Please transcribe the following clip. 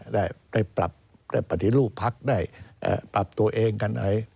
ได้ปรับปฏิลูกภักดิ์ปรับตัวเองกัน